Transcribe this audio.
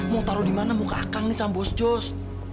mau taruh dimana muka akang nih sambos jos